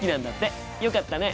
よかったね。